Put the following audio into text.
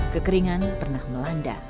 kekeringan pernah melanda